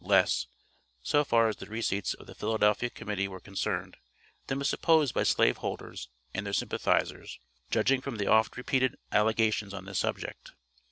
less (so far as the receipts of the Philadelphia Committee were concerned), than was supposed by slave holders and their sympathizers, judging from their oft repeated allegations on this subject.